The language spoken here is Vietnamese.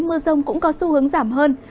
mưa rông cũng có xu hướng giảm hơn